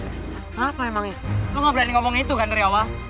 kenapa emang ya lo gak berani ngomong itu kan dari awal